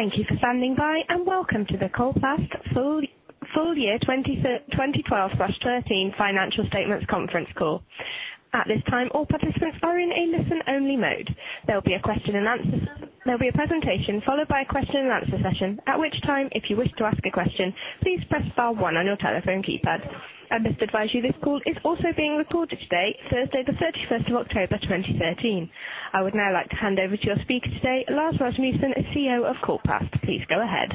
Thank you for standing by, and welcome to the Coloplast full year 2012/13 financial statements conference call. At this time, all participants are in a listen-only mode. There'll be a presentation followed by a Q&A session, at which time, if you wish to ask a question, please press star one on your telephone keypad. I must advise you this call is also being recorded today, Thursday, October 31st, 2013. I would now like to hand over to our speaker today, Lars Rasmussen, CEO of Coloplast. Please go ahead.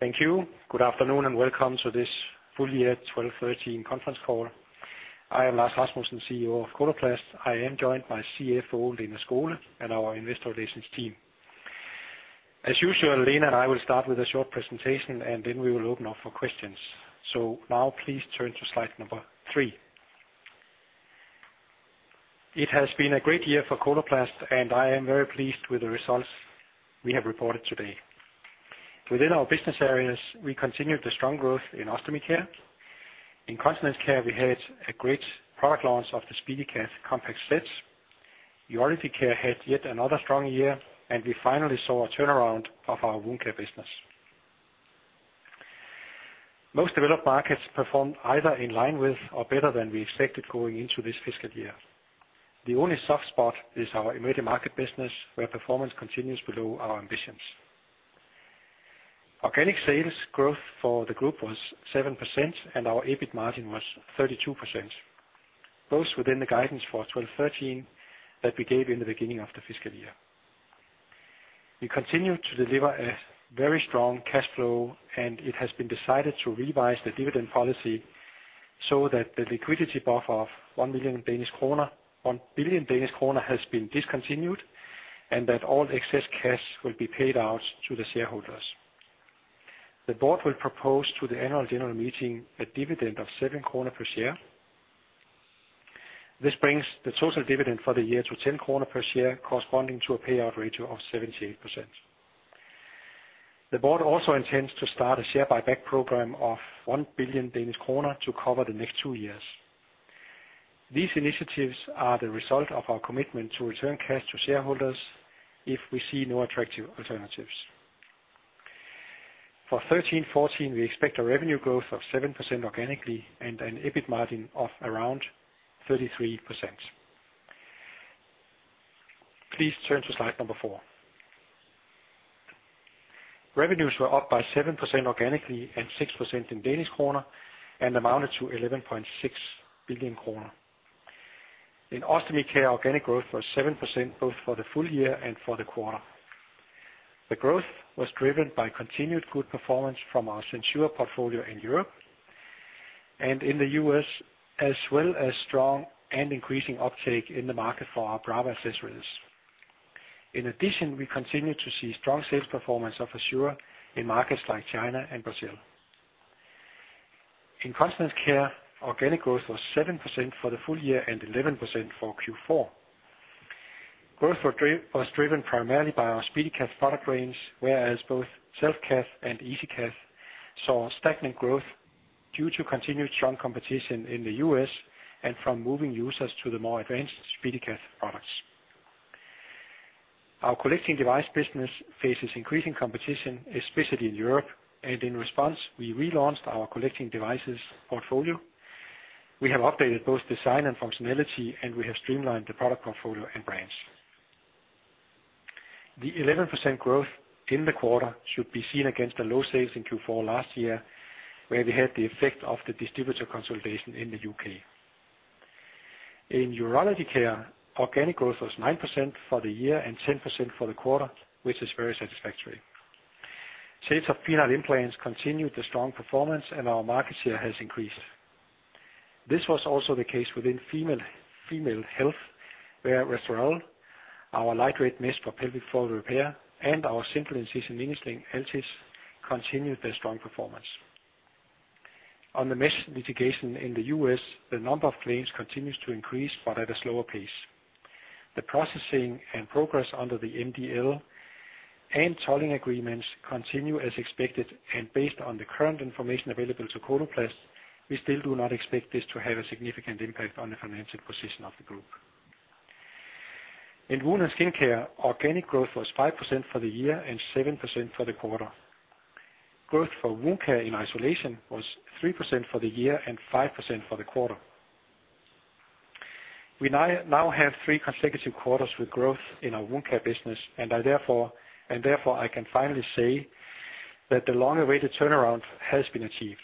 Thank you. Good afternoon, welcome to this full year 2012/2013 conference call. I am Lars Rasmussen, CEO of Coloplast. I am joined by CFO, Lene Skole, and our investor relations team. As usual, Lene and I will start with a short presentation, then we will open up for questions. Now please turn to slide number three. It has been a great year for Coloplast, and I am very pleased with the results we have reported today. Within our business areas, we continued the strong growth in Ostomy Care. In Continence Care, we had a great product launch of the SpeediCath Compact Set. Urology Care had yet another strong year, and we finally saw a turnaround of our Wound Care business. Most developed markets performed either in line with or better than we expected going into this fiscal year. The only soft spot is our emerging market business, where performance continues below our ambitions. Organic sales growth for the group was 7%, and our EBIT margin was 32%, both within the guidance for 12/13 that we gave in the beginning of the fiscal year. We continue to deliver a very strong cash flow, and it has been decided to revise the dividend policy so that the liquidity buffer of 1 million Danish kroner, 1 billion Danish kroner has been discontinued, and that all excess cash will be paid out to the shareholders. The board will propose to the annual general meeting a dividend of 7 kroner per share. This brings the total dividend for the year to 10 kroner per share, corresponding to a payout ratio of 78%. The board also intends to start a share buyback program of 1 billion Danish kroner to cover the next two years. These initiatives are the result of our commitment to return cash to shareholders if we see no attractive alternatives. For 2013/2014, we expect a revenue growth of 7% organically and an EBIT margin of around 33%. Please turn to slide number four. Revenues were up by 7% organically and 6% in Danish kroner and amounted to 11.6 billion kroner. In Ostomy Care, organic growth was 7%, both for the full year and for the quarter. The growth was driven by continued good performance from our SenSura portfolio in Europe and in the U.S., as well as strong and increasing uptake in the market for our Brava accessories. In addition, we continue to see strong sales performance of Assura in markets like China and Brazil. In Continence Care, organic growth was 7% for the full year and 11% for Q4. Growth was driven primarily by our SpeediCath product range, whereas both Self-Cath and EasiCath saw stagnant growth due to continued strong competition in the U.S. and from moving users to the more advanced SpeediCath products. Our collecting device business faces increasing competition, especially in Europe, and in response, we relaunched our collecting devices portfolio. We have updated both design and functionality, and we have streamlined the product portfolio and brands. The 11% growth in the quarter should be seen against the low sales in Q4 last year, where we had the effect of the distributor consolidation in the U.K. In Urology Care, organic growth was 9% for the year and 10% for the quarter, which is very satisfactory. Sales of Penile Implants continued the strong performance, and our market share has increased. This was also the case within female health, where Restorelle, our lightweight mesh for pelvic floor repair, and our simple incision mini sling, Altis, continued their strong performance. On the mesh litigation in the U.S., the number of claims continues to increase, but at a slower pace. The processing and progress under the MDL and tolling agreements continue as expected, and based on the current information available to Coloplast, we still do not expect this to have a significant impact on the financial position of the group. In Wound & Skin Care, organic growth was 5% for the year and 7% for the quarter. Growth for Wound Care in isolation was 3% for the year and 5% for the quarter. We now have three consecutive quarters with growth in our Wound Care business. Therefore, I can finally say that the long-awaited turnaround has been achieved.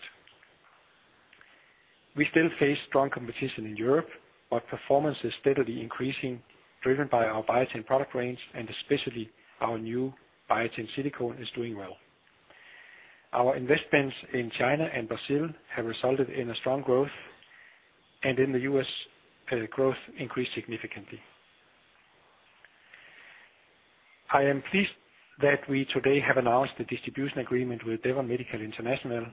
We still face strong competition in Europe, but performance is steadily increasing, driven by our Biatain product range, and especially our new Biatain Silicone is doing well. Our investments in China and Brazil have resulted in a strong growth. In the U.S., growth increased significantly. I am pleased that I today have announced the distribution agreement with Devon Medical International,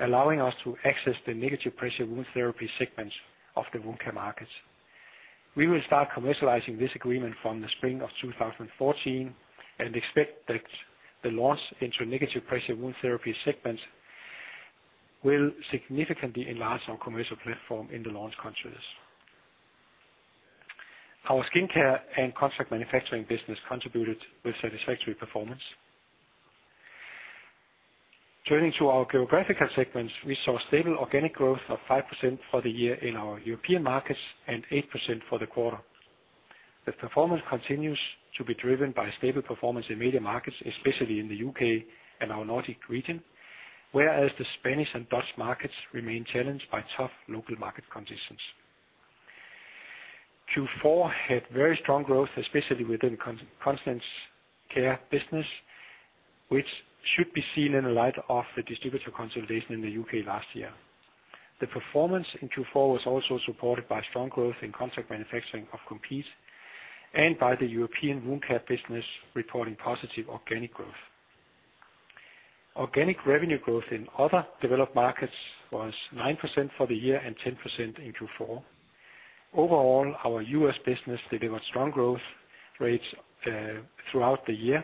allowing us to access the negative pressure wound therapy segments of the Wound Care markets. We will start commercializing this agreement from the spring of 2014 and expect that the launch into negative pressure wound therapy segments will significantly enlarge our commercial platform in the launch countries. Our Skin Care and contract manufacturing business contributed with satisfactory performance. Turning to our geographical segments, we saw stable organic growth of 5% for the year in our European markets, and 8% for the quarter. The performance continues to be driven by stable performance in media markets, especially in the U.K. and our Nordic region, whereas the Spanish and Dutch markets remain challenged by tough local market conditions. Q4 had very strong growth, especially within Continence Care business, which should be seen in the light of the distributor consolidation in the U.K. last year. The performance in Q4 was also supported by strong growth in contract manufacturing of Compete, and by the European Wound Care business reporting positive organic growth. Organic revenue growth in other developed markets was 9% for the year and 10% in Q4. Overall, our U.S. business delivered strong growth rates throughout the year.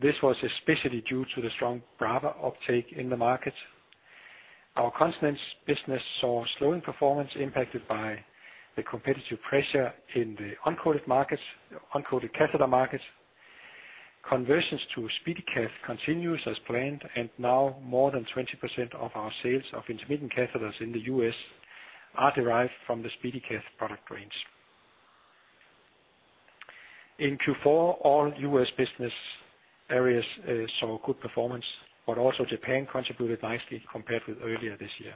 This was especially due to the strong Brava uptake in the market. Our Continence Care business saw slowing performance impacted by the competitive pressure in the uncoated markets, uncoated catheter markets. Conversions to SpeediCath continues as planned, and now more than 20% of our sales of intermittent catheters in the U.S. are derived from the SpeediCath product range. In Q4, all U.S. business areas saw good performance, but also Japan contributed nicely compared with earlier this year.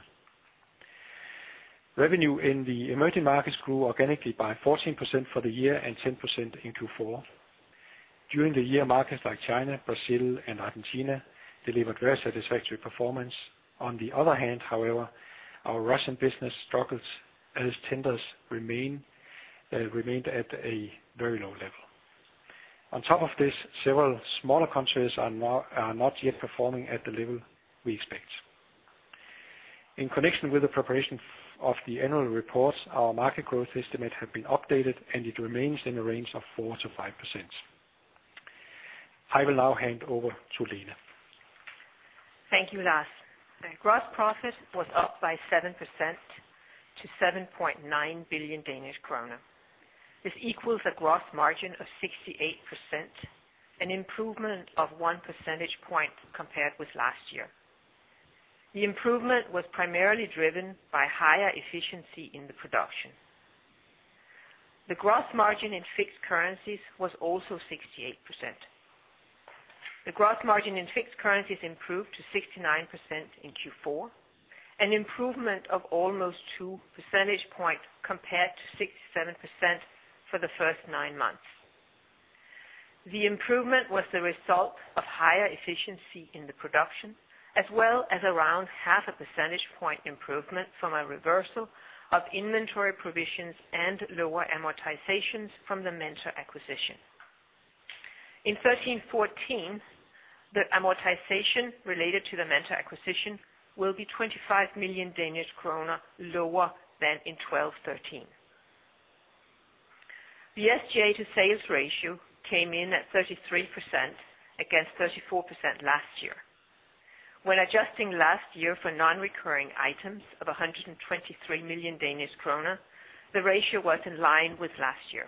Revenue in the emerging markets grew organically by 14% for the year and 10% in Q4. During the year, markets like China, Brazil, and Argentina delivered very satisfactory performance. On the other hand, however, our Russian business struggles as tenders remained at a very low level. On top of this, several smaller countries are not yet performing at the level we expect. In connection with the preparation of the annual reports, our market growth estimate have been updated, and it remains in the range of 4%-5%. I will now hand over to Lene. Thank you, Lars. The gross profit was up by 7% to 7.9 billion Danish krone. This equals a gross margin of 68%, an improvement of 1 percentage point compared with last year. The improvement was primarily driven by higher efficiency in the production. The gross margin in fixed currencies was also 68%. The gross margin in fixed currencies improved to 69% in Q4, an improvement of almost two percentage points compared to 67% for the first nine months. The improvement was the result of higher efficiency in the production, as well as around half a percentage point improvement from a reversal of inventory provisions and lower amortizations from the Mentor acquisition. In 2013-2014, the amortization related to the Mentor acquisition will be 25 million Danish kroner, lower than in 2012-2013. The SGA to sales ratio came in at 33%, against 34% last year. When adjusting last year for non-recurring items of 123 million Danish kroner, the ratio was in line with last year.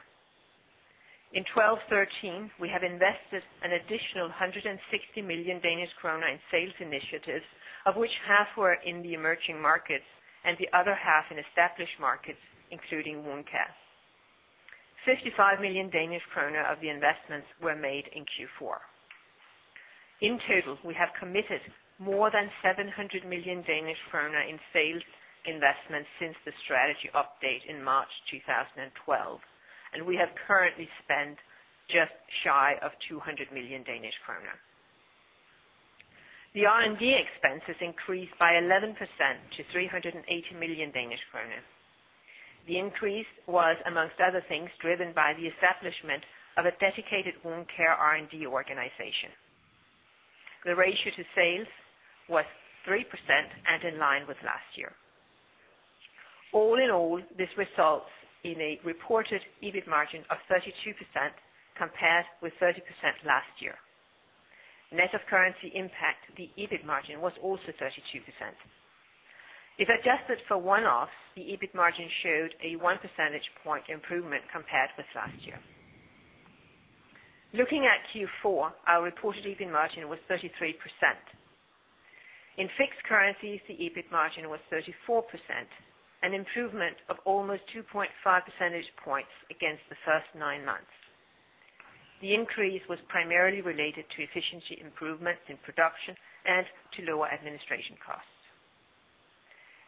In 2012-2013, we have invested an additional 160 million Danish krone in sales initiatives, of which half were in the emerging markets, and the other half in established markets, including Wound Care. 55 million Danish kroner of the investments were made in Q4. In total, we have committed more than 700 million Danish kroner in sales investments since the strategy update in March 2012, and we have currently spent just shy of 200 million Danish kroner. The R&D expenses increased by 11% to 380 million Danish kroner. The increase was, among other things, driven by the establishment of a dedicated Wound Care R&D organization. The ratio to sales was 3% and in line with last year. All in all, this results in a reported EBIT margin of 32%, compared with 30% last year. Net of currency impact, the EBIT margin was also 32%. If adjusted for one-offs, the EBIT margin showed a 1 percentage point improvement compared with last year. Looking at Q4, our reported EBIT margin was 33%. In fixed currencies, the EBIT margin was 34%, an improvement of almost 2.5 percentage points against the first nine months. The increase was primarily related to efficiency improvements in production and to lower administration costs.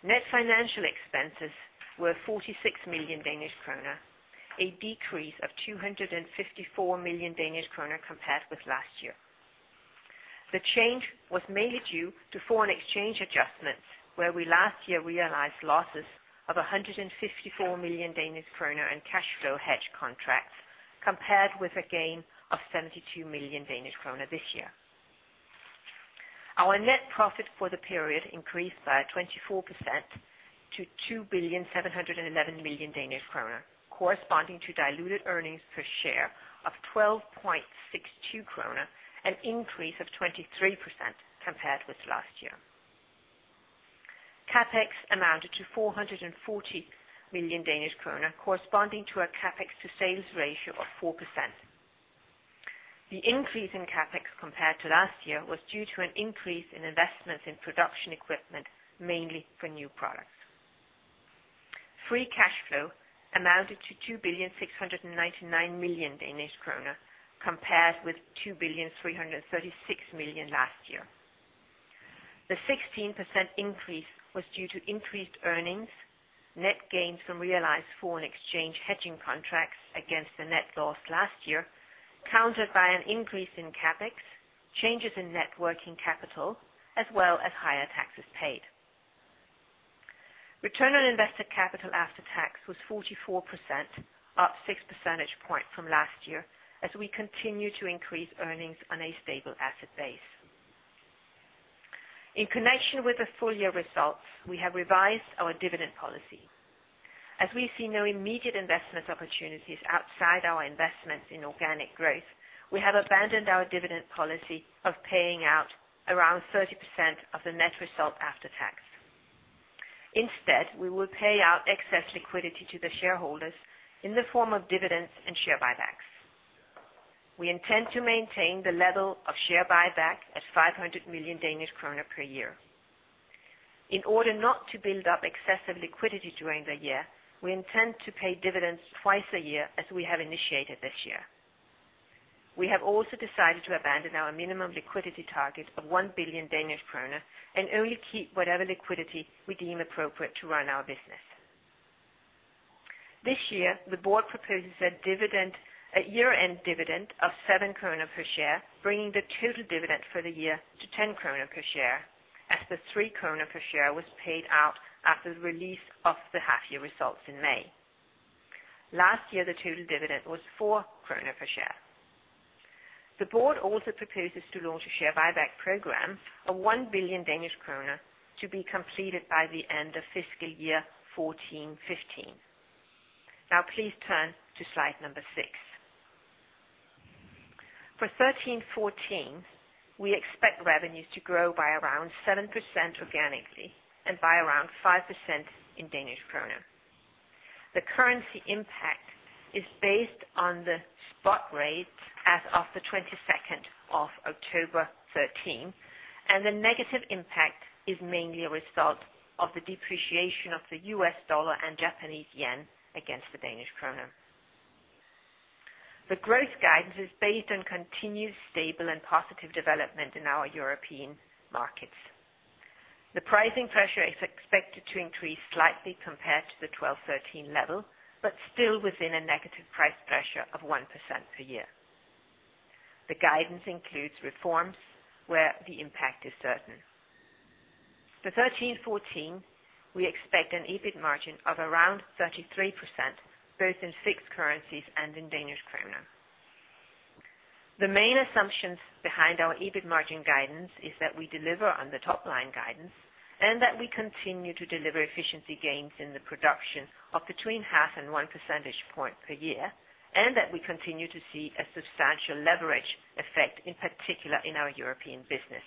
Net financial expenses were 46 million Danish krone, a decrease of 254 million Danish krone compared with last year. The change was mainly due to foreign exchange adjustments, where we last year realized losses of 154 million Danish kroner in cash flow hedge contracts, compared with a gain of 72 million Danish kroner this year. Our net profit for the period increased by 24% to 2,711 million Danish kroner, corresponding to diluted earnings per share of 12.62 kroner, an increase of 23% compared with last year. CapEx amounted to 440 million Danish kroner, corresponding to a CapEx to sales ratio of 4%. The increase in CapEx compared to last year was due to an increase in investments in production equipment, mainly for new products. Free cash flow amounted to 2,699 million Danish krone, compared with 2,336 million last year. The 16% increase was due to increased earnings, net gains from realized foreign exchange hedging contracts against the net loss last year, countered by an increase in CapEx, changes in net working capital, as well as higher taxes paid. Return on invested capital after tax was 44%, up six percentage points from last year, as we continue to increase earnings on a stable asset base. In connection with the full year results, we have revised our dividend policy. As we see no immediate investment opportunities outside our investments in organic growth, we have abandoned our dividend policy of paying out around 30% of the net result after tax. Instead, we will pay out excess liquidity to the shareholders in the form of dividends and share buybacks. We intend to maintain the level of share buyback at 500 million Danish kroner per year. In order not to build up excessive liquidity during the year, we intend to pay dividends twice a year, as we have initiated this year. We have also decided to abandon our minimum liquidity target of 1 billion Danish kroner and only keep whatever liquidity we deem appropriate to run our business. This year, the board proposes a dividend, a year-end dividend of 7 krone per share, bringing the total dividend for the year to 10 krone per share, as the 3 krone per share was paid out after the release of the half year results in May. Last year, the total dividend was 4 kroner per share. The board also proposes to launch a share buyback program of 1 billion Danish kroner to be completed by the end of fiscal year 2014-2015. Now, please turn to slide number six. For 2013-2014, we expect revenues to grow by around 7% organically and by around 5% in Danish kroner. The currency impact is based on the spot rate as of the 22nd of October 2013, and the negative impact is mainly a result of the depreciation of the U.S. dollar and Japanese yen against the Danish kroner. The growth guidance is based on continued stable and positive development in our European markets. The pricing pressure is expected to increase slightly compared to the 2012-2013 level, but still within a negative price pressure of 1% per year. The guidance includes reforms where the impact is certain. For 2013-2014, we expect an EBIT margin of around 33%, both in fixed currencies and in Danish kroner. The main assumptions behind our EBIT margin guidance is that we deliver on the top line guidance, and that we continue to deliver efficiency gains in the production of between half and 1 percentage point per year, and that we continue to see a substantial leverage effect, in particular in our European business.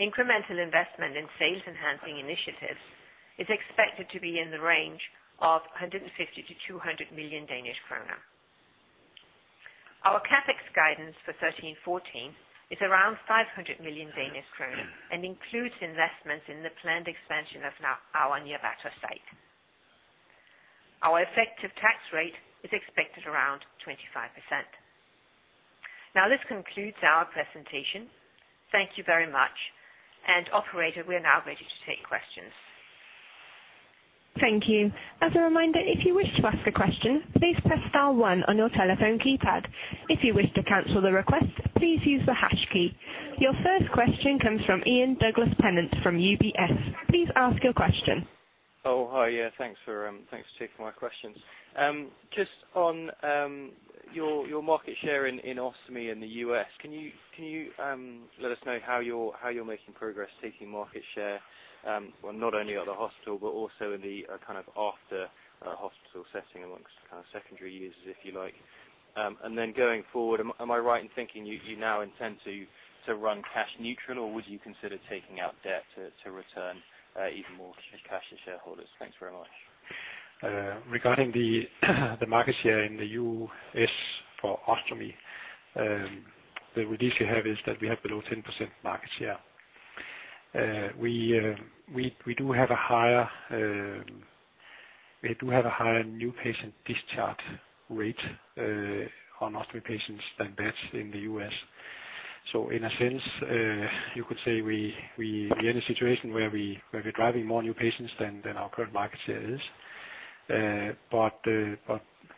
Incremental investment in sales enhancing initiatives is expected to be in the range of 150 million-200 million Danish kroner. Our CapEx guidance for 2013-2014 is around 500 million Danish kroner and includes investments in the planned expansion of our Nyírbátor site. Our effective tax rate is expected around 25%. This concludes our presentation. Thank you very much. Operator, we are now ready to take questions. Thank you. As a reminder, if you wish to ask a question, please press star 1 on your telephone keypad. If you wish to cancel the request, please use the hash key. Your first question comes from Ian Douglas-Pennant from UBS. Please ask your question. Hi. Yeah, thanks for thanks for taking my questions. Just on your market share in ostomy in the U.S., can you let us know how you're making progress taking market share, well, not only at the hospital, but also in the kind of after hospital setting amongst kind of secondary users, if you like? Then going forward, am I right in thinking you now intend to run cash neutral, or would you consider taking out debt to return even more cash to shareholders? Thanks very much. Regarding the market share in the U.S. for ostomy, the release you have is that we have below 10% market share. We do have a higher new patient discharge rate on ostomy patients than that in the U.S. In a sense, you could say we are in a situation where we're driving more new patients than our current market share is. But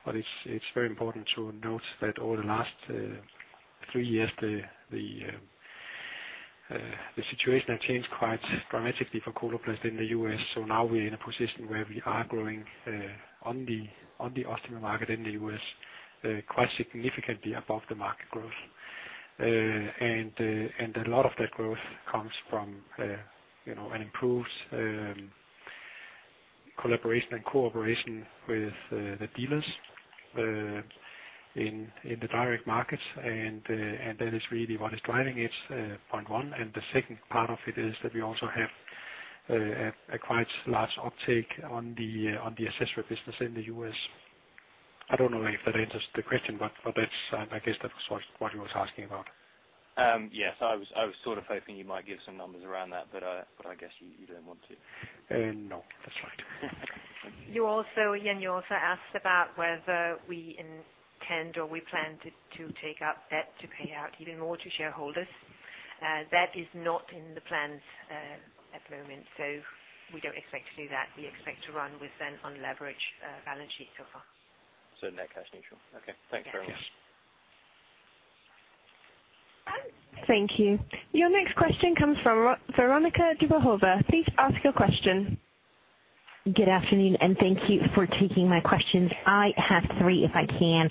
it's very important to note that over the last three years, the situation has changed quite dramatically for Coloplast in the U.S. Now we're in a position where we are growing on the ostomy market in the U.S. quite significantly above the market growth. A lot of that growth comes from, you know, an improved collaboration and cooperation with the dealers in the direct markets. That is really what is driving it, point 1. The second part of it is that we also have a quite large uptake on the accessory business in the U.S. I don't know if that answers the question, but that's I guess that was what you was asking about. Yes, I was, I was sort of hoping you might give some numbers around that, but I guess you don't want to. No, that's right. You also, Ian, you also asked about whether we intend or we plan to take up debt to pay out even more to shareholders. That is not in the plans at the moment, so we don't expect to do that. We expect to run with an unleveraged balance sheet so far. Net cash neutral. Okay. Thanks very much. Yeah. Thank you. Your next question comes from Veronika Dubajova. Please ask your question. Good afternoon. Thank you for taking my questions. I have 3, if I can.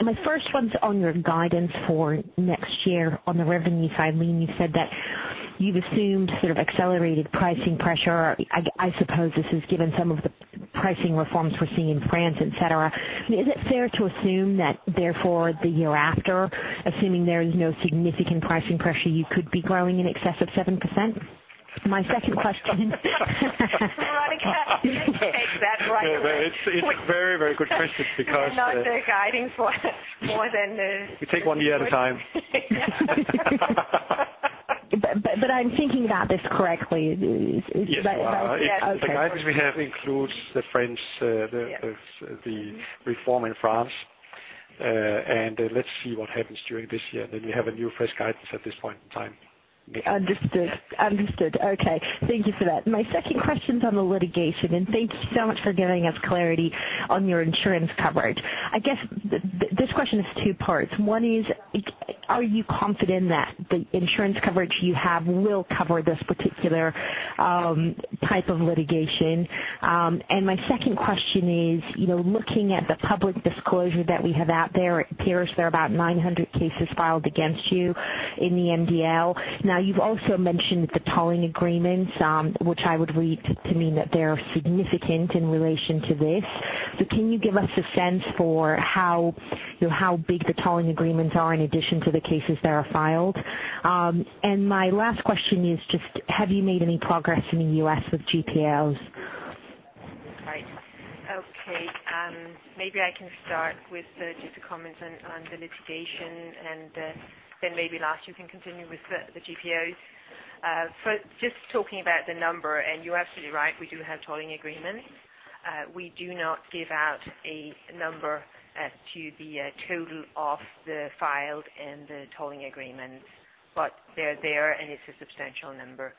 My first one's on your guidance for next year on the revenue side. I mean, you said that you've assumed sort of accelerated pricing pressure. I suppose this is given some of the pricing reforms we're seeing in France, et cetera. Is it fair to assume that, therefore, the year after, assuming there is no significant pricing pressure, you could be growing in excess of 7%? My second question. Veronika, take that right away. It's a very, very good question. We're not there guiding for more than. We take one year at a time. I'm thinking about this correctly, is. Yes. Okay. The guidance we have includes the French. Yes... the reform in France. Let's see what happens during this year. We have a new, fresh guidance at this point in time. Understood. Understood. Okay, thank you for that. My second question's on the litigation, and thank you so much for giving us clarity on your insurance coverage. I guess this question is two parts. One is, are you confident that the insurance coverage you have will cover this particular type of litigation? My second question is, you know, looking at the public disclosure that we have out there, it appears there are about 900 cases filed against you in the MDL. You've also mentioned the tolling agreements, which I would read to mean that they're significant in relation to this. Can you give us a sense for how, you know, how big the tolling agreements are in addition to the cases that are filed? My last question is just, have you made any progress in the U.S. with GPOs? Right. Okay, maybe I can start with the just to comment on the litigation. Maybe Lars, you can continue with the GPOs. Just talking about the number, you're absolutely right, we do have tolling agreements. We do not give out a number as to the total of the filed and the tolling agreements, they're there, it's a substantial number.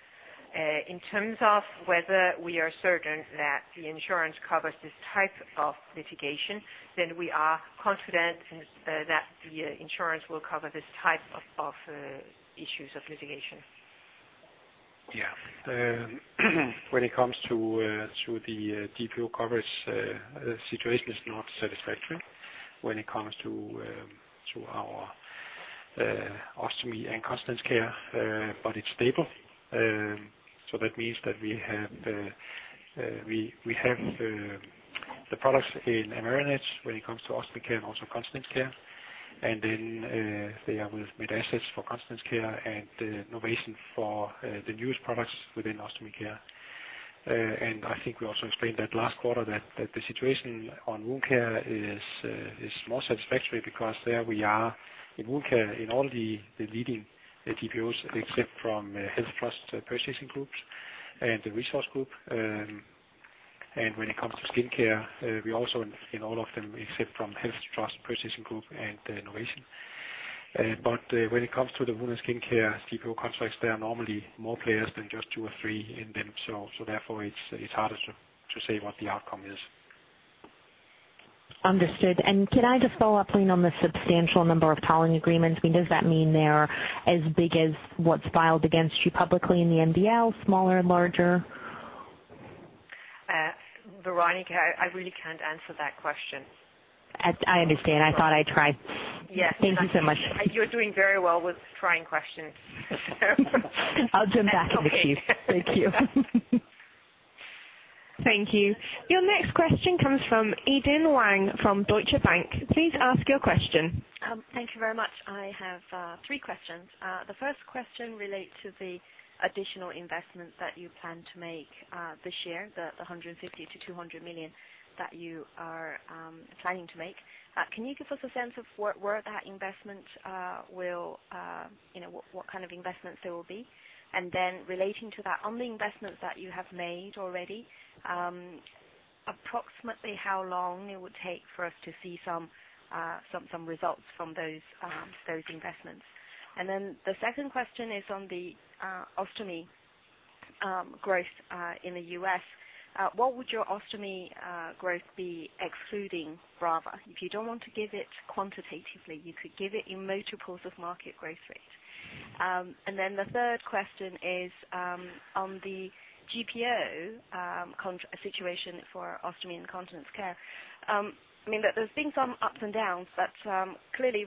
In terms of whether we are certain that the insurance covers this type of litigation, we are confident that the insurance will cover this type of issues of litigation. Yeah. When it comes to the GPO coverage, the situation is not satisfactory when it comes to our ostomy and continence care, but it's stable. So that means that we have we have the products in Amerinet when it comes to ostomy care and also continence care. Then they are with MedAssets for continence care and Novation for the newest products within ostomy care. And I think we also explained that last quarter, that the situation on Wound Care is more satisfactory because there we are in Wound Care in all the leading GPOs, except from HealthTrust Purchasing Group and The Resource Group. When it comes to skincare, we also in all of them except from HealthTrust Purchasing Group and Novation. When it comes to the wound and skincare GPO contracts, there are normally more players than just two or three in them, so therefore, it's harder to say what the outcome is. Understood. Can I just follow up on the substantial number of tolling agreements? I mean, does that mean they're as big as what's filed against you publicly in the MDL? Smaller, larger? Veronika, I really can't answer that question. I understand. I thought I'd try. Yes. Thank you so much. You're doing very well with trying questions. I'll jump back in the queue. Thank you. Thank you. Your next question comes from Yi-Dan Wang from Deutsche Bank. Please ask your question. Thank you very much. I have three questions. The first question relates to the additional investment that you plan to make this year, 150 million-200 million, that you are planning to make. Can you give us a sense of where that investment will, you know, what kind of investments there will be? Relating to that, on the investments that you have made already, approximately how long it would take for us to see some results from those investments? The second question is on the ostomy growth in the U.S. What would your ostomy growth be excluding Brava? If you don't want to give it quantitatively, you could give it in multiples of market growth rate. The third question is on the GPO situation for Ostomy and Continence Care. I mean, there's been some ups and downs, clearly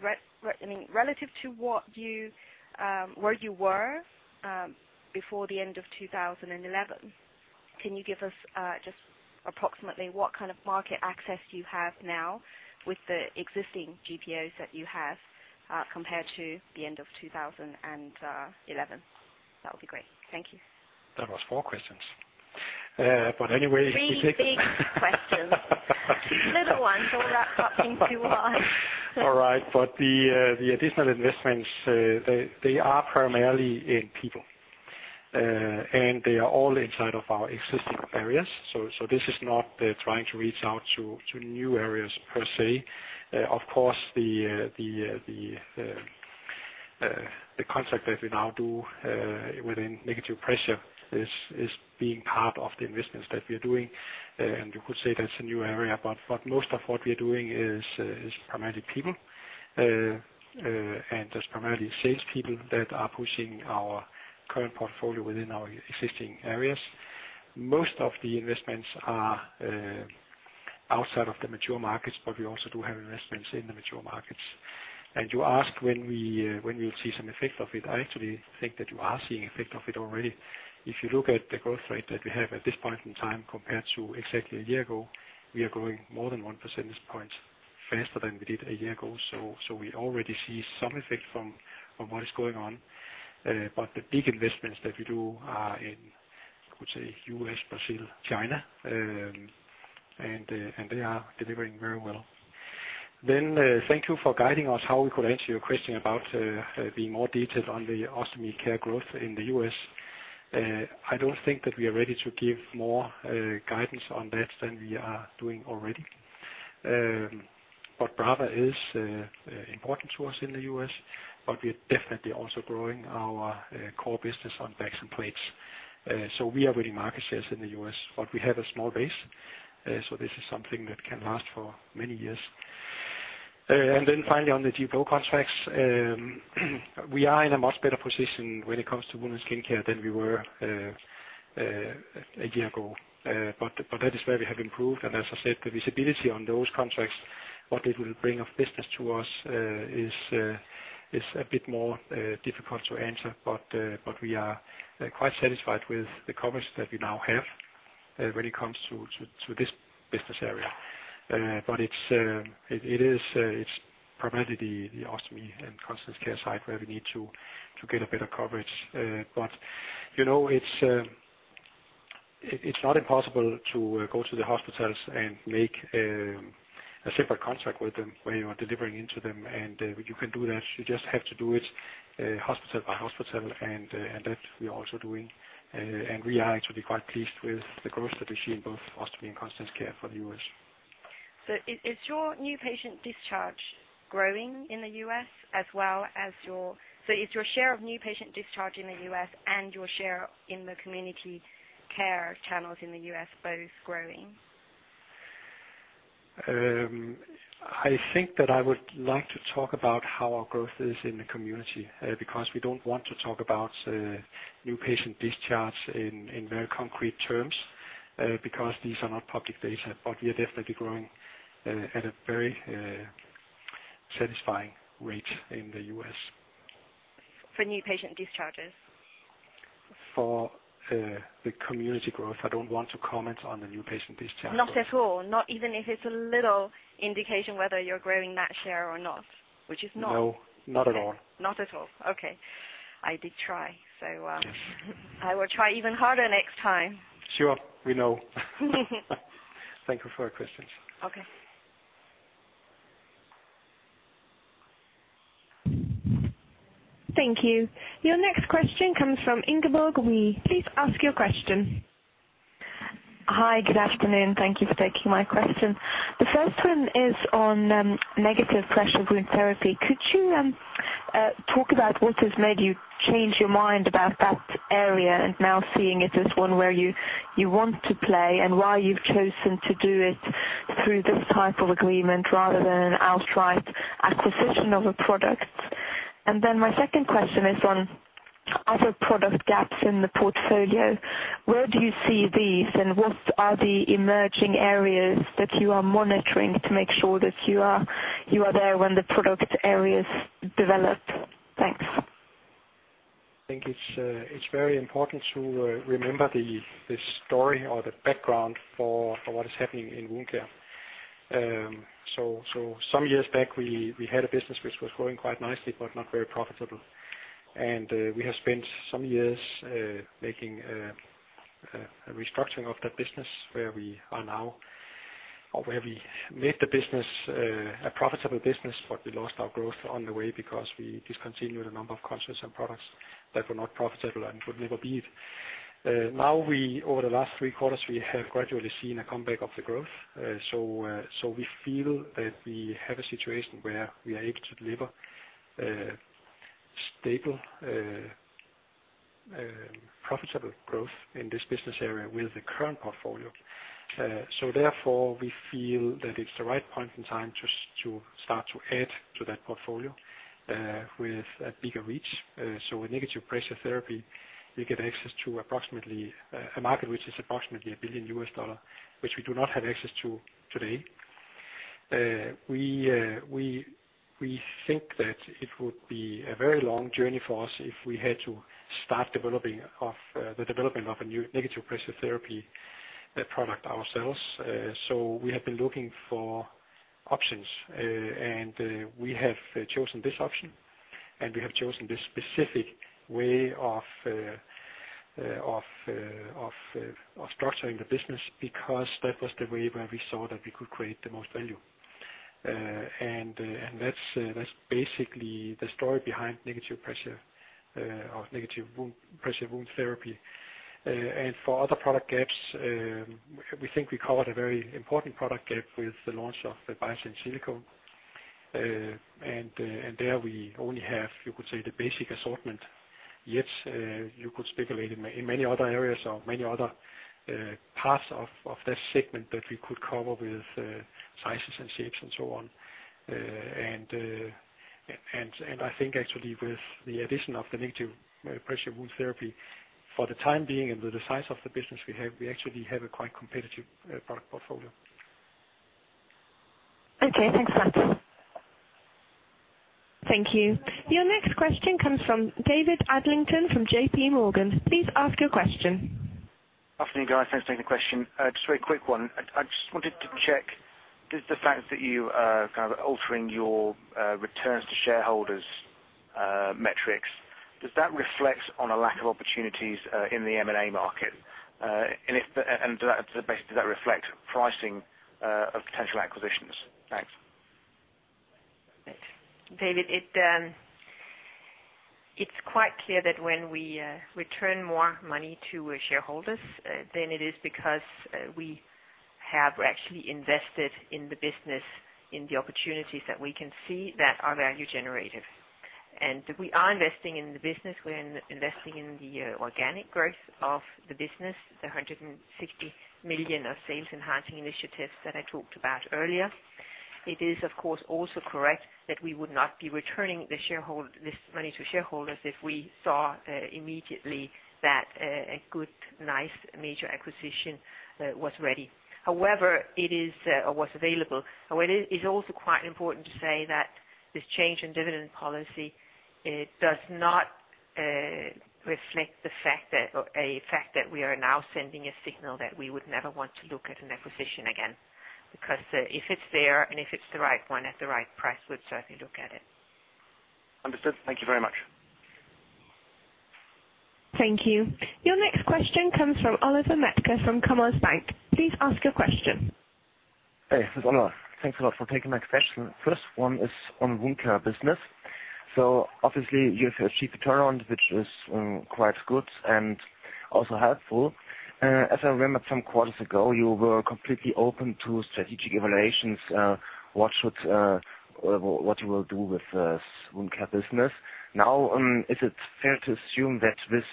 relative to what you where you were before the end of 2011. Can you give us just approximately what kind of market access you have now with the existing GPOs that you have compared to the end of 2011? That would be great. Thank you. That was four questions. Anyway. Three big questions. Little ones, all wrapped up into one. All right, the additional investments, they are primarily in people. They are all inside of our existing areas. This is not trying to reach out to new areas per se. Of course, the contract that we now do within negative pressure is being part of the investments that we are doing. You could say that's a new area, but most of what we are doing is primarily people. That's primarily salespeople that are pushing our current portfolio within our existing areas. Most of the investments are outside of the mature markets, we also do have investments in the mature markets. You ask when we when we'll see some effect of it. I actually think that you are seeing effect of it already. If you look at the growth rate that we have at this point in time compared to exactly a year ago, we are growing more than one percentage point faster than we did a year ago. We already see some effect from what is going on. The big investments that we do are in, I would say, U.S., Brazil, China, and they are delivering very well. Thank you for guiding us, how we could answer your question about being more detailed on the Ostomy Care growth in the U.S. I don't think that we are ready to give more guidance on that than we are doing already. Brava is important to us in the U.S., but we are definitely also growing our core business on bags and plates. We are winning market shares in the U.S., but we have a small base, so this is something that can last for many years. Finally on the GPO contracts, we are in a much better position when it comes to Wound and Skin Care than we were a year ago. That is where we have improved, and as I said, the visibility on those contracts, what it will bring of business to us, is a bit more difficult to answer. We are quite satisfied with the coverage that we now have when it comes to this business area. It's, it is, it's primarily the Ostomy and Continence Care side where we need to get a better coverage. You know, it's not impossible to go to the hospitals and make a separate contract with them where you are delivering into them, and you can do that. You just have to do it hospital by hospital, and that we are also doing. We are actually quite pleased with the growth that we see in both Ostomy and Continence Care for the U.S. Is your new patient discharge growing in the U.S. so is your share of new patient discharge in the U.S. and your share in the community care channels in the U.S. both growing? I think that I would like to talk about how our growth is in the community, because we don't want to talk about new patient discharge in very concrete terms, because these are not public data, but we are definitely growing at a very satisfying rate in the U.S. For new patient discharges? For the community growth. I don't want to comment on the new patient discharges. Not at all? Not even if it's a little indication whether you're growing that share or not, which is not. No, not at all. Not at all. Okay. I did try. Yes. I will try even harder next time. Sure. We know. Thank you for your questions. Okay. Thank you. Your next question comes from Ingeborg. Please ask your question. Hi, good afternoon. Thank you for taking my question. The first one is on negative pressure wound therapy. Could you talk about what has made you change your mind about that area, and now seeing it as one where you want to play, and why you've chosen to do it through this type of agreement rather than an outright acquisition of a product? My second question is on other product gaps in the portfolio. Where do you see these, and what are the emerging areas that you are monitoring to make sure that you are there when the product areas develop? Thanks. I think it's very important to remember the story or the background for what is happening in Wound Care. Some years back, we had a business which was growing quite nicely but not very profitable. We have spent some years making a restructuring of that business where we are now, or where we made the business, a profitable business, but we lost our growth on the way because we discontinued a number of contracts and products that were not profitable and would never be. Now we, over the last three quarters, we have gradually seen a comeback of the growth. We feel that we have a situation where we are able to deliver stable profitable growth in this business area with the current portfolio. Therefore, we feel that it's the right point in time to start to add to that portfolio with a bigger reach. With negative pressure therapy, we get access to approximately a market which is approximately $1 billion, which we do not have access to today. We think that it would be a very long journey for us if we had to start developing the development of a new negative pressure therapy product ourselves. We have been looking for options, and we have chosen this option, and we have chosen this specific way of structuring the business, because that was the way where we saw that we could create the most value. That's basically the story behind negative pressure, or negative pressure wound therapy. For other product gaps, we think we covered a very important product gap with the launch of the Biatain Silicone. And there we only have, you could say, the basic assortment, yet, you could speculate in many other areas or many other parts of that segment that we could cover with, sizes and shapes and so on. I think actually with the addition of the negative pressure wound therapy, for the time being and with the size of the business we have, we actually have a quite competitive, product portfolio. Okay, thanks a lot. Thank you. Your next question comes from David Adlington from JPMorgan. Please ask your question. Good afternoon, guys. Thanks for taking the question. Just a very quick one. I just wanted to check, does the fact that you are kind of altering your returns to shareholders' metrics, does that reflect on a lack of opportunities in the M&A market? Do that, basically, does that reflect pricing of potential acquisitions? Thanks. David, it's quite clear that when we return more money to our shareholders, then it is because we have actually invested in the business, in the opportunities that we can see that are value generative. We are investing in the business. We're investing in the organic growth of the business, the 160 million of sales enhancing initiatives that I talked about earlier. It is, of course, also correct that we would not be returning this money to shareholders if we saw immediately that a good, nice major acquisition was ready. However, it is or was available. It is, it's also quite important to say that this change in dividend policy, it does not reflect the fact that or a fact that we are now sending a signal that we would never want to look at an acquisition again. If it's there, and if it's the right one at the right price, we'd certainly look at it. Understood. Thank you very much. Thank you. Your next question comes from Oliver Metzger, from Commerzbank. Please ask your question. Hey, this is Oliver. Thanks a lot for taking my question. First one is on Wound Care business. Obviously you've achieved a turnaround, which is quite good and also helpful. As I remember some quarters ago, you were completely open to strategic evaluations. What should, what you will do with Wound Care business. Is it fair to assume that this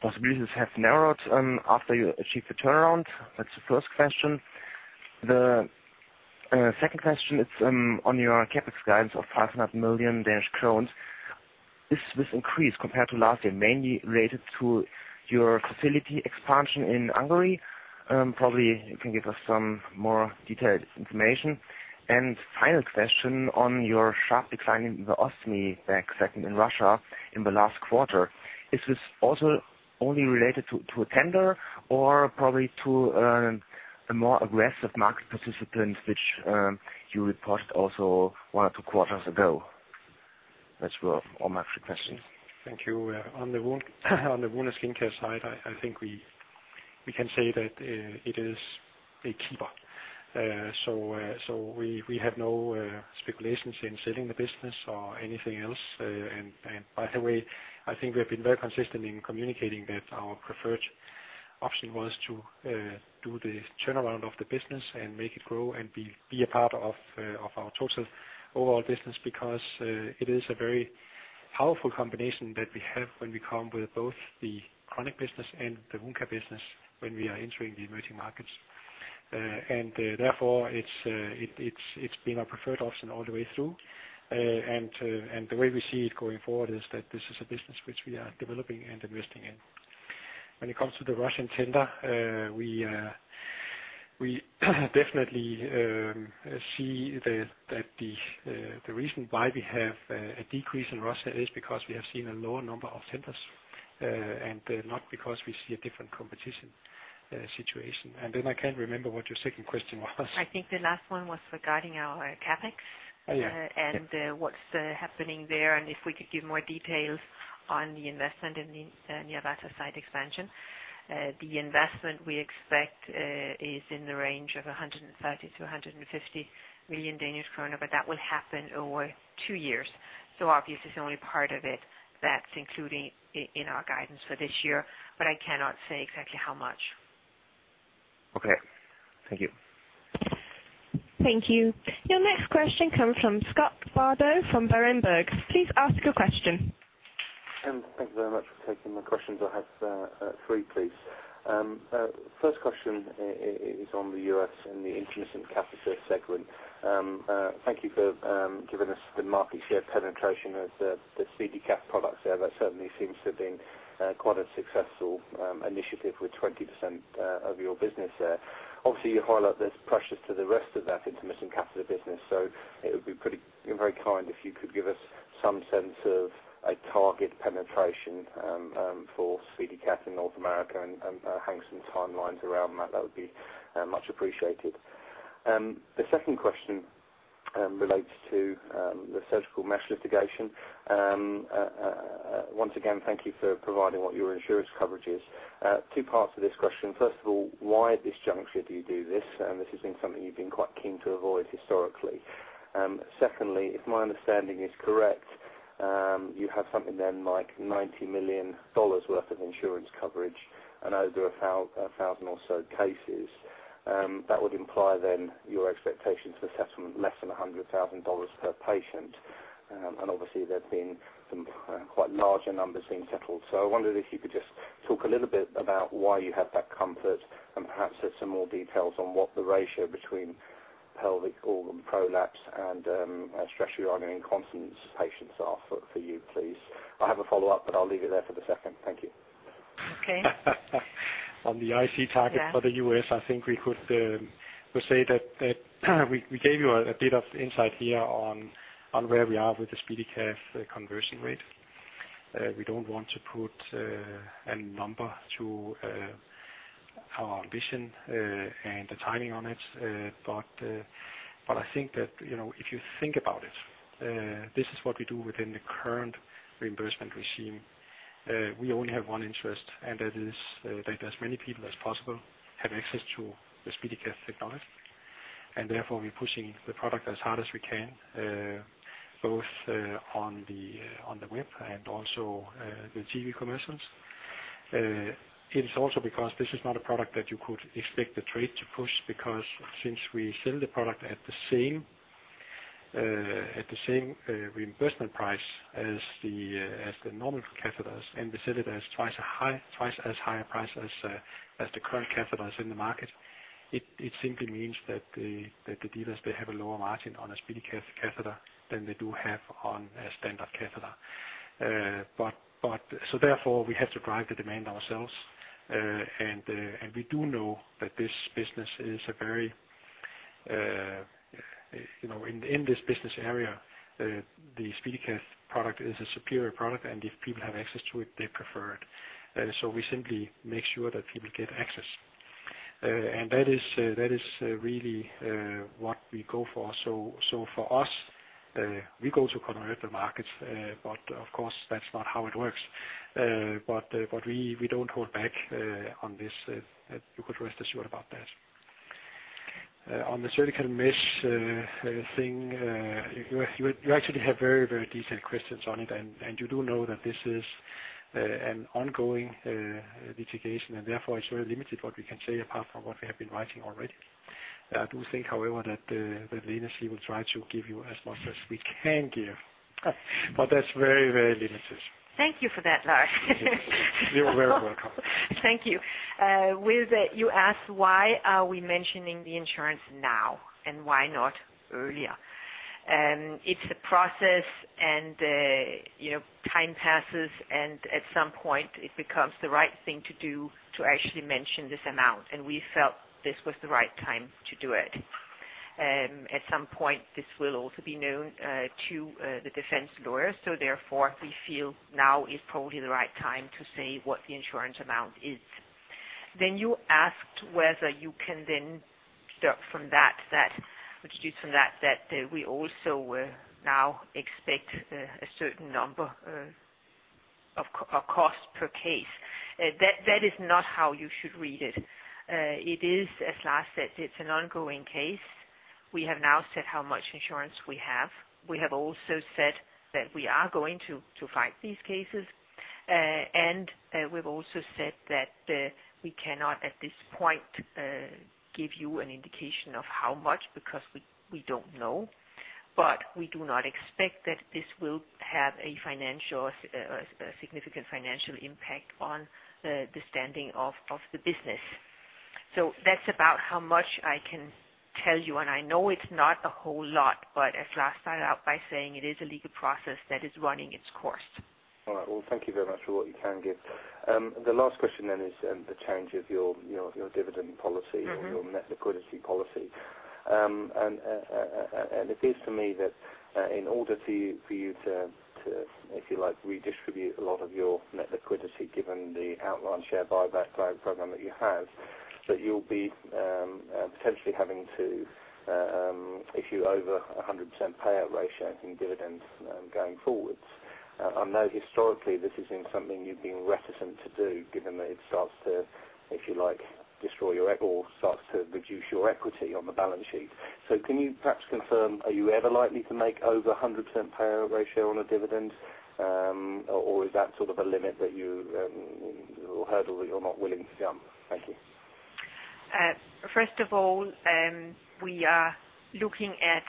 possibilities have narrowed after you achieved the turnaround? That's the first question. The second question is on your CapEx guidance of 500 million Danish crowns. Is this increase compared to last year, mainly related to your facility expansion in Hungary? Probably you can give us some more detailed information. Final question on your sharp decline in the ostomy bag segment in Russia in the last quarter. Is this also only related to a tender or probably to a more aggressive market participants, which, you reported also one or two quarters ago? That's were all my three questions. Thank you. On the Wound & Skin Care side, I think we can say that it is a keeper. We have no speculations in selling the business or anything else. By the way, I think we have been very consistent in communicating that our preferred option was to do the turnaround of the business and make it grow and be a part of our total overall business. It is a very powerful combination that we have when we come with both the chronic business and the Wound Care business, when we are entering the emerging markets. Therefore, it's been our preferred option all the way through. The way we see it going forward is that this is a business which we are developing and investing in. When it comes to the Russian tender, we definitely see the, that the reason why we have a decrease in Russia is because we have seen a lower number of tenders, and not because we see a different competition situation. Then I can't remember what your second question was. I think the last one was regarding our CapEx. Oh, yeah. What's happening there, and if we could give more details on the investment in the Nyírbátor site expansion. The investment we expect is in the range of 130 million-150 million Danish kroner, but that will happen over 2 years. Obviously it's only part of it that's included in our guidance for this year, but I cannot say exactly how much. Okay. Thank you. Thank you. Your next question comes from Scott Bardo from Berenberg. Please ask your question. Thank you very much for taking my questions. I have 3, please. First question is on the U.S. and the indwelling catheter segment. Thank you for giving us the market share penetration of the SpeediCath products there. That certainly seems to have been quite a successful initiative with 20% your business there. Obviously, you highlight there's pressures to the rest of that intermittent catheter business, so it would be very kind if you could give us some sense of a target penetration for SpeediCath in North America and hang some timelines around that. That would be much appreciated. The second question relates to the surgical mesh litigation. Once again, thank you for providing what your insurance coverage is. Two parts to this question. First of all, why at this juncture do you do this? This has been something you've been quite keen to avoid historically. Secondly, if my understanding is correct, you have something then, like $90 million worth of insurance coverage and over 1,000 or so cases. That would imply then your expectations for settlement less than $100,000 per patient. And obviously, there's been some quite larger numbers being settled. I wondered if you could just talk a little bit about why you have that comfort, and perhaps there's some more details on what the ratio between pelvic organ prolapse and stress urinary incontinence patients are for you, please. I have a follow-up, but I'll leave it there for the second. Thank you. Okay. On the IC target. Yeah. -for the U.S., I think we could say that we gave you a bit of insight here on where we are with the SpeediCath conversion rate. We don't want to put a number to our ambition and the timing on it. I think that, you know, if you think about it, this is what we do within the current reimbursement regime. We only have one interest, and that is, that as many people as possible have access to the SpeediCath technology, and therefore, we're pushing the product as hard as we can, both on the, on the web and also, the TV commercials. It's also because this is not a product that you could expect the trade to push, because since we sell the product at the same reimbursement price as the normal catheters, and we sell it as twice as higher price as the current catheters in the market, it simply means that the dealers, they have a lower margin on a SpeediCath catheter than they do have on a standard catheter. Therefore, we have to drive the demand ourselves. We do know that this business is a very, you know, in this business area, the SpeediCath product is a superior product, and if people have access to it, they prefer it. We simply make sure that people get access. That is, that is really what we go for. For us, we go to convert the markets, but of course, that's not how it works. We don't hold back on this. You could rest assured about that. On the surgical mesh thing, you actually have very, very detailed questions on it, and you do know that this is an ongoing litigation, and therefore it's very limited what we can say apart from what we have been writing already. I do think, however, that Lene Skole will try to give you as much as we can give, but that's very, very limited. Thank you for that, Lars. You're very welcome. Thank you. With that, you asked, why are we mentioning the insurance now and why not earlier? It's a process, and, you know, time passes, and at some point, it becomes the right thing to do to actually mention this amount, and we felt this was the right time to do it. At some point, this will also be known to the defense lawyers, so therefore, we feel now is probably the right time to say what the insurance amount is. You asked whether you can then start from that, deduce from that we also now expect a certain number of cost per case. That is not how you should read it. It is, as Lars said, it's an ongoing case. We have now said how much insurance we have. We have also said that we are going to fight these cases, and we've also said that we cannot, at this point, give you an indication of how much, because we don't know. We do not expect that this will have a financial or a significant financial impact on the standing of the business. That's about how much I can tell you, and I know it's not a whole lot, but as Lars started out by saying, it is a legal process that is running its course. All right. thank you very much for what you can give. The last question is, the change of your dividend policy? Mm-hmm. -or your net liquidity policy. It seems to me that, in order to, for you to, if you like, redistribute a lot of your net liquidity, given the outline share buyback program that you have, that you'll be potentially having to issue over a 100% payout ratio in dividends going forwards. I know historically this has been something you've been reticent to do, given that it starts to, if you like, destroy your equity or starts to reduce your equity on the balance sheet. Can you perhaps confirm, are you ever likely to make over a 100% payout ratio on a dividend? Or is that sort of a limit that you or hurdle that you're not willing to jump? Thank you. First of all, we are looking at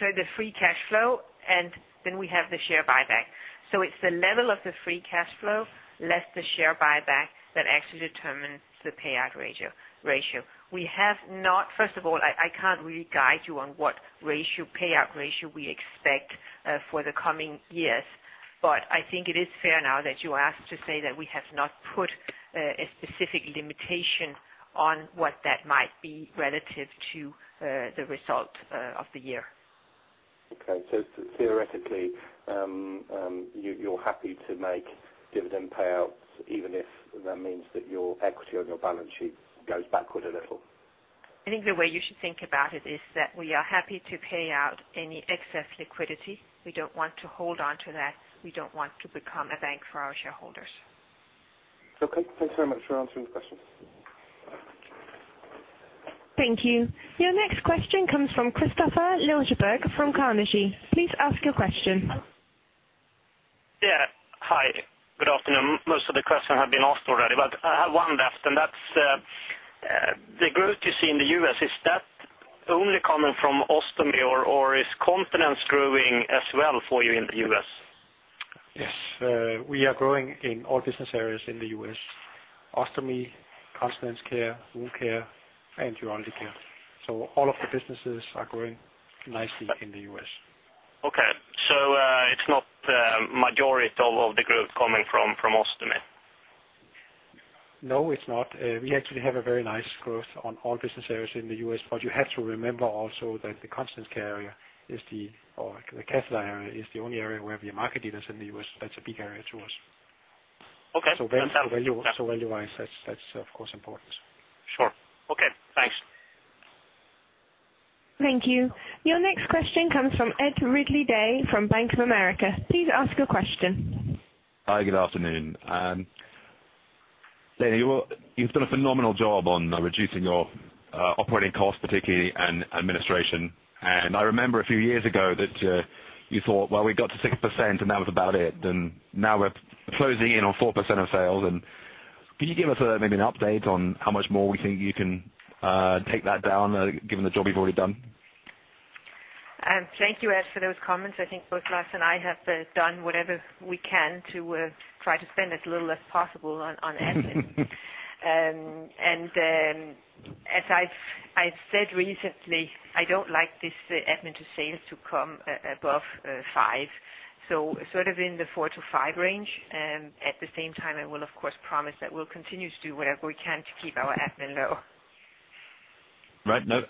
the free cash flow, and then we have the share buyback. It's the level of the free cash flow, less the share buyback that actually determines the payout ratio. First of all, I can't really guide you on what ratio, payout ratio we expect for the coming years. I think it is fair now that you ask to say that we have not put a specific limitation on what that might be relative to the result of the year. Theoretically, you're happy to make dividend payouts, even if that means that your equity on your balance sheet goes backward a little? I think the way you should think about it is that we are happy to pay out any excess liquidity. We don't want to hold onto that. We don't want to become a bank for our shareholders. Okay. Thank you very much for answering the question. Thank you. Your next question comes from Kristofer Liljeberg from Carnegie. Please ask your question. Hi, good afternoon. Most of the questions have been asked already. I have one left, and that's the growth you see in the US. Is that only coming from ostomy, or is continence growing as well for you in the US? Yes. We are growing in all business areas in the U.S., Ostomy Care, Continence Care, Wound Care, and Urology Care. All of the businesses are growing nicely in the U.S. Okay. it's not majority of the growth coming from ostomy? No, it's not. We actually have a very nice growth on all business areas in the U.S. You have to remember also that the Continence Care area is the, or the catheter area, is the only area where we have market leaders in the U.S. That's a big area to us. Okay. Value-wise, that's of course important. Sure. Okay, thanks. Thank you. Your next question comes from Ed Riley from Bank of America. Please ask your question. Hi, good afternoon. Lene, you've done a phenomenal job on reducing your operating costs, particularly in administration. I remember a few years ago that you thought, well, we got to 6%, and that was about it. Now we're closing in on 4% of sales. Can you give us, maybe an update on how much more we think you can take that down given the job you've already done? Thank you, Ed, for those comments. I think both Lars and I have done whatever we can to try to spend as little as possible on admin. As I've said recently, I don't like this admin to sales to come above 5. Sort of in the 4-5 range, and at the same time, I will, of course, promise that we'll continue to do whatever we can to keep our admin low. Right. No,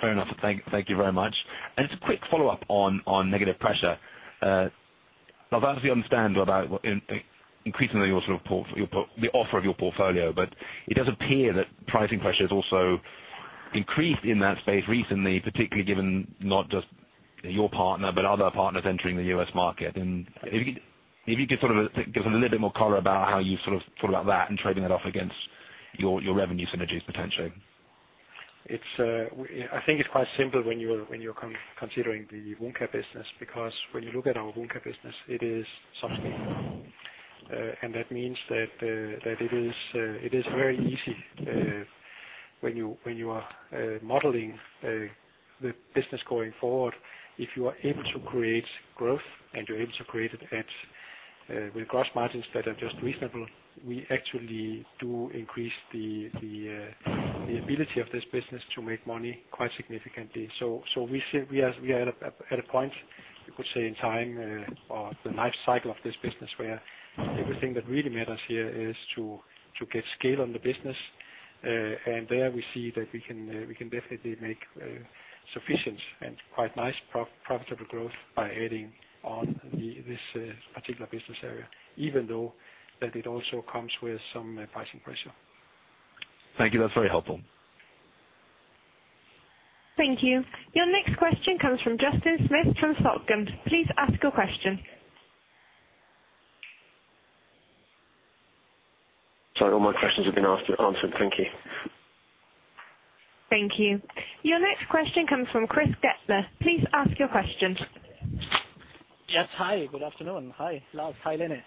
fair enough. Thank you very much. Just a quick follow-up on negative pressure. Now obviously understand about increasingly the offer of your portfolio, but it does appear that pricing pressure has also increased in that space recently, particularly given not just your partner, but other partners entering the U.S. market. If you could sort of give us a little bit more color about how you sort of feel about that and trading that off against your revenue synergies, potentially. It's, I think it's quite simple when you're considering the Wound Care business, because when you look at our Wound Care business, it is sustainable. That means that it is very easy when you are modeling the business going forward, if you are able to create growth, and you're able to create it at with gross margins that are just reasonable, we actually do increase the ability of this business to make money quite significantly. We are at a point, you could say in time, or the life cycle of this business, where everything that really matters here is to get scale on the business. There we see that we can definitely make sufficient and quite nice profitable growth by adding on this particular business area, even though that it also comes with some pricing pressure. Thank you. That's very helpful. Thank you. Your next question comes from Justin Smith from [Saltgum]. Please ask your question. Sorry, all my questions have been asked, answered. Thank you. Thank you. Your next question comes from Christian Ryden. Please ask your question. Yes. Hi, good afternoon. Hi, Lars. Hi, Lene.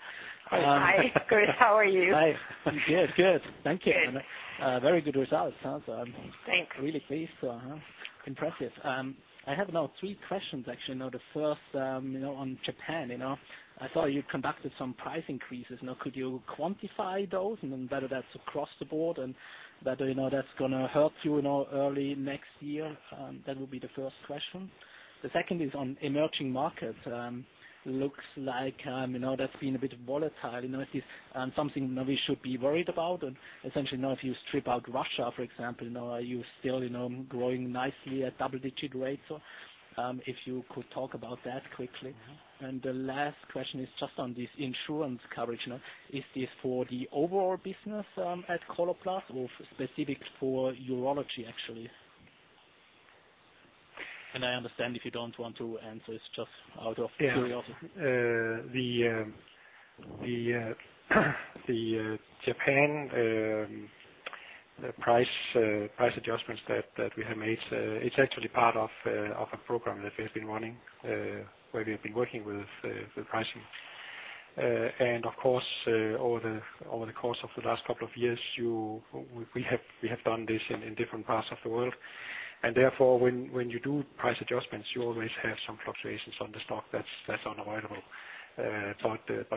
Hi, Chris. How are you? Hi. Good. Good. Thank you. Good. very good results. Sounds. Thanks. Really pleased. Impressive. I have now three questions, actually. Now, the first, you know, on Japan, you know, I saw you conducted some price increases. Now, could you quantify those? Whether that's across the board and whether, you know, that's gonna help you know, early next year. That would be the first question. The second is on emerging markets. Looks like, you know, that's been a bit volatile, you know. Is this something, you know, we should be worried about? Essentially, you know, if you strip out Russia, for example, you know, are you still, you know, growing nicely at double-digit rates? If you could talk about that quickly. Mm-hmm. The last question is just on this insurance coverage, you know. Is this for the overall business at Coloplast or specific for Urology Care business, actually? I understand if you don't want to answer, it's just out of curiosity. Yeah. The Japan price adjustments that we have made, it's actually part of a program that we have been running, where we've been working with the pricing. Of course, over the course of the last couple of years, we have done this in different parts of the world. When you do price adjustments, you always have some fluctuations on the stock. That's unavoidable.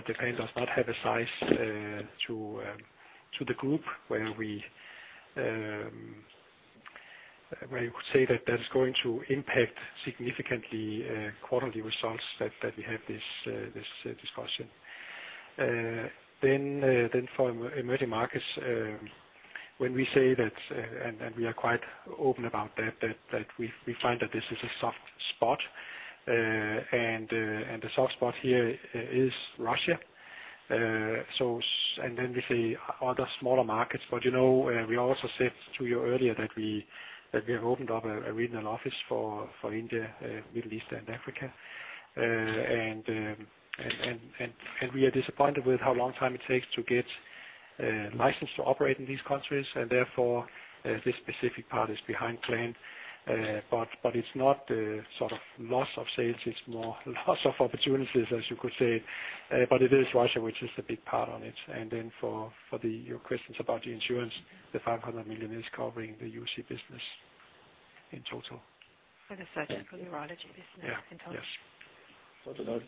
Japan does not have a size to the group where you could say that that is going to impact significantly quarterly results that we have this discussion. For emerging markets, when we say that, and we are quite open about that we find that this is a soft spot. The soft spot here is Russia. We say other smaller markets. You know, we also said to you earlier that we have opened up a regional office for India, Middle East, and Africa. And we are disappointed with how long time it takes to get licensed to operate in these countries, and therefore, this specific part is behind plan. It's not the sort of loss of sales, it's more loss of opportunities, as you could say. It is Russia, which is a big part on it. For your questions about the insurance, the 500 million is covering the UC business in total. For the surgical neurology business, you can tell us? Yeah. Yes.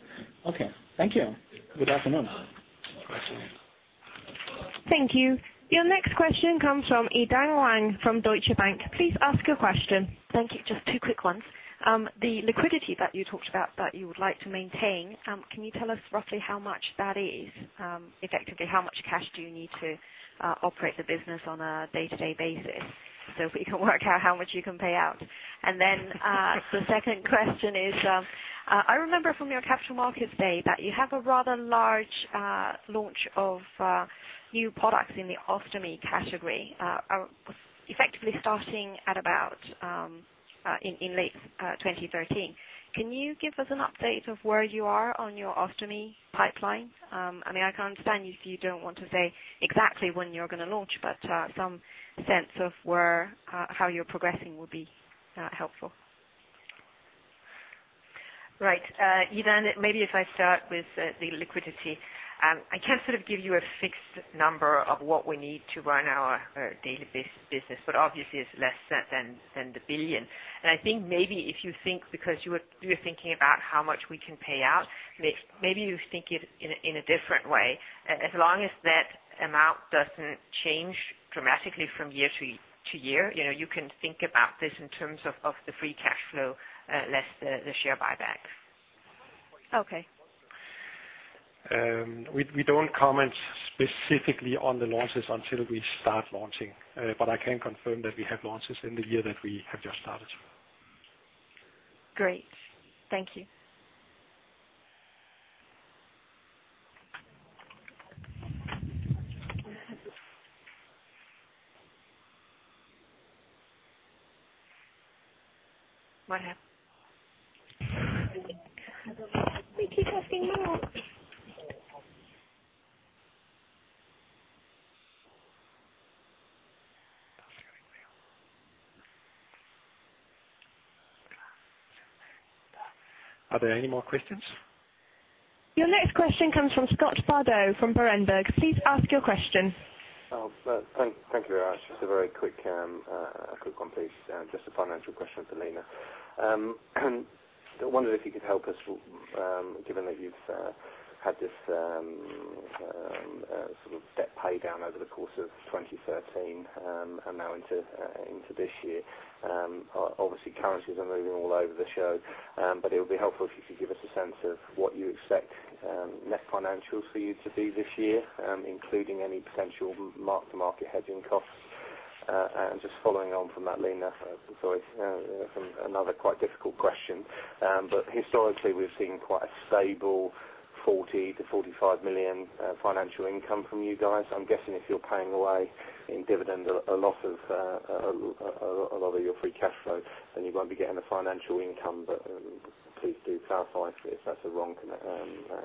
Okay. Thank you. Good afternoon. Thank you. Your next question comes from Yi-Dan Wang from Deutsche Bank. Please ask your question. Thank you. Just two quick ones. The liquidity that you talked about, that you would like to maintain, can you tell us roughly how much that is? Effectively, how much cash do you need to operate the business on a day-to-day basis? If we can work out how much you can pay out. The second question is, I remember from your capital markets day that you have a rather large launch of new products in the ostomy category. Effectively starting at about in late 2013. Can you give us an update of where you are on your ostomy pipeline? I mean, I can understand if you don't want to say exactly when you're going to launch, but some sense of where how you're progressing will be helpful. Right. Yi-Dan, maybe if I start with the liquidity. I can't sort of give you a fixed number of what we need to run our daily business, but obviously it's less than 1 billion. I think maybe if you think, because you were thinking about how much we can pay out, maybe you think it in a different way. As long as that amount doesn't change dramatically from year to year, you know, you can think about this in terms of the free cash flow, less the share buyback. Okay. We don't comment specifically on the launches until we start launching. I can confirm that we have launches in the year that we have just started. Great. Thank you. What happened? We keep asking more. Are there any more questions? Your next question comes from Scott Bardo, from Berenberg. Please ask your question. Thank you very much. Just a very quick, a quick one, please. Just a financial question for Lene. I wonder if you could help us, given that you've had this sort of debt pay down over the course of 2013, and now into this year. Obviously, currencies are moving all over the show, it would be helpful if you could give us a sense of what you expect net financials for you to be this year, including any potential mark-to-market hedging costs. Just following on from that, Lene, sorry, from another quite difficult question. Historically, we've seen quite a stable 40 million-45 million financial income from you guys. I'm guessing if you're paying away in dividend, a lot of your free cash flow, then you won't be getting the financial income. Please do clarify if that's a wrong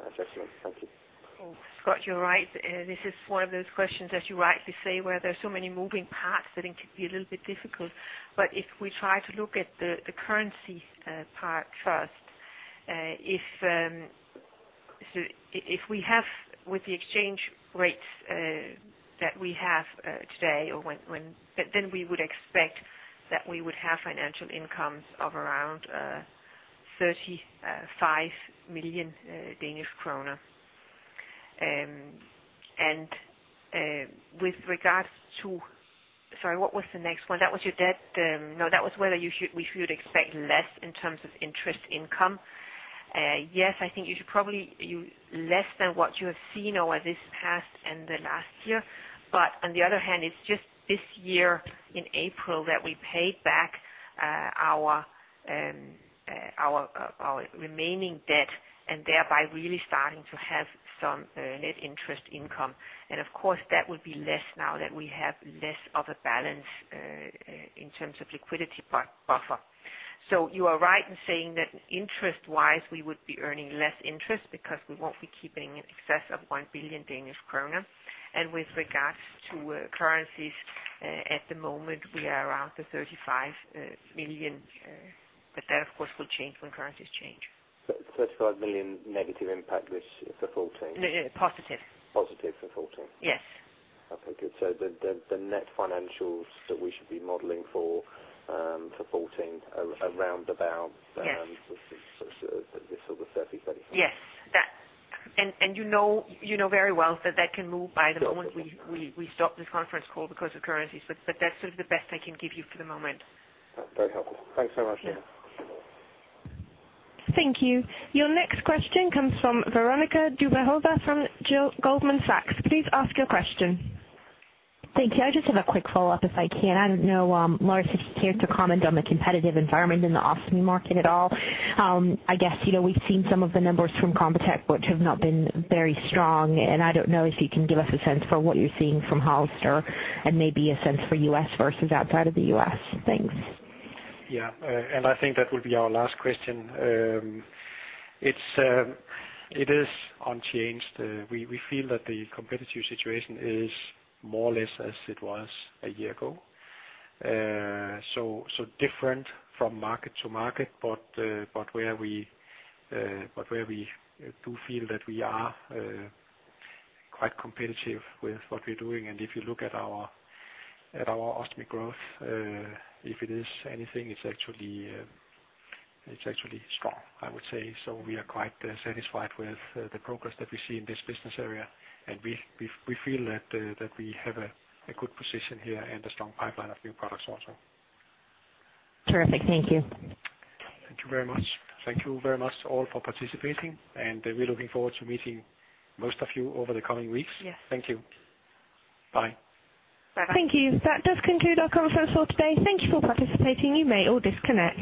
adjustment. Thank you. Scott, you're right. This is one of those questions, as you rightly say, where there are so many moving parts that it can be a little bit difficult. If we try to look at the currency part first, if we have with the exchange rates that we have today or when. We would expect that we would have financial incomes of around 35 million Danish kroner. With regards to. Sorry, what was the next one? That was your debt, no, that was whether we should expect less in terms of interest income. Yes, I think you should probably less than what you have seen over this past and the last year. On the other hand, it's just this year, in April, that we paid back our remaining debt, and thereby, really starting to have some net interest income. Of course, that would be less now that we have less of a balance in terms of liquidity part buffer. You are right in saying that interest-wise, we would be earning less interest because we won't be keeping in excess of 1 billion Danish kroner. With regards to currencies, at the moment, we are around the 35 million, but that, of course, will change when currencies change. 35 million negative impact, which is for 14? No, yeah, positive. Positive for 14? Yes. Okay, good. The net financials that we should be modeling for 14 are around about. Yes. this sort of 30, 35. Yes. You know very well that can move by the moment... Okay. We stop the conference call because of currencies, but that's sort of the best I can give you for the moment. Very helpful. Thanks so much, Lars Rasmussen. Yeah. Thank you. Your next question comes from Veronika Dubajova from Goldman Sachs. Please ask your question. Thank you. I just have a quick follow-up, if I can. I don't know, Lars, if you care to comment on the competitive environment in the Ostomy Care market at all. I guess, you know, we've seen some of the numbers from ConvaTec, which have not been very strong, and I don't know if you can give us a sense for what you're seeing from Hollister, and maybe a sense for U.S. versus outside of the U.S. Thanks. Yeah, I think that will be our last question. It's unchanged. We feel that the competitive situation is more or less as it was a year ago. Different from market to market. Where we do feel that we are quite competitive with what we're doing. If you look at our ostomy growth, if it is anything, it's actually strong, I would say. We are quite satisfied with the progress that we see in this business area, and we feel that we have a good position here and a strong pipeline of new products also. Terrific. Thank you. Thank you very much. Thank you very much, all, for participating, and we're looking forward to meeting most of you over the coming weeks. Yes. Thank you. Bye. Bye-bye. Thank you. That does conclude our conference call today. Thank you for participating. You may all disconnect.